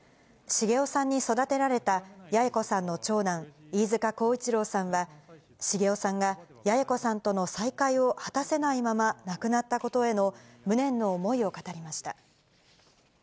繁雄さんに育てられた八重子さんの長男、飯塚耕一郎さんは、繁雄さんが、八重子さんとの再会を果たせないまま亡くなったことへの無念の思いを語りました。